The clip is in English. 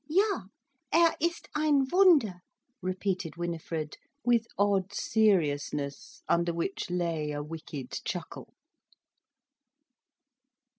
"Ja, er ist ein Wunder," repeated Winifred, with odd seriousness, under which lay a wicked chuckle.